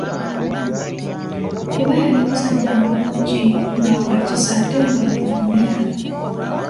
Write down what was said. Kuba yali musajja mulungi nga wa kisa ate nga munyumya.